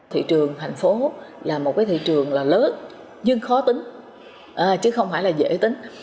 thị trường thành phố là một thị trường lớn nhưng khó tính chứ không phải là dễ tính